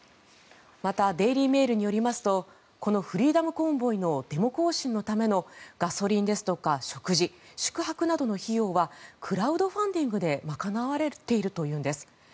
またデイリー・メールによりますとこのフリーダム・コンボイのデモ行進のためのガソリンや食事宿泊などの費用はクラウドファンディングで賄われているというんです。